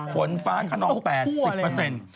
ฝนฟ้าขนอง๘๐